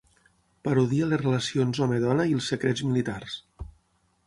Parodia les relacions home-dona i els secrets militars.